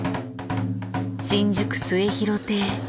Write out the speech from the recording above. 新宿末廣亭。